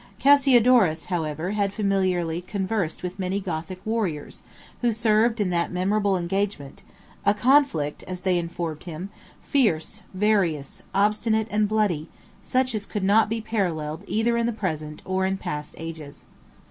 Cassiolorus, however, had familiarly conversed with many Gothic warriors, who served in that memorable engagement; "a conflict," as they informed him, "fierce, various, obstinate, and bloody; such as could not be paralleled either in the present or in past ages."